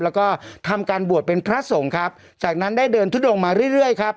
แล้วก็ทำการบวชเป็นพระสงฆ์ครับจากนั้นได้เดินทุดงมาเรื่อยเรื่อยครับ